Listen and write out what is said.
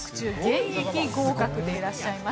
現役合格でいらっしゃいます。